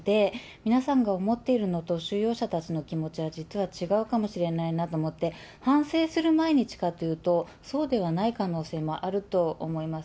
皆さんが思っているのと収容者たちの気持ちは、実は違うかもしれないなと思って、反省する毎日かというと、そうではない可能性もあると思います。